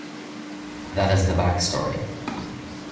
That is the backstory.